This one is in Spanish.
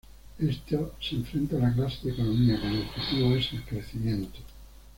Esto se enfrenta a la clase de economía cuyo objetivo es el crecimiento.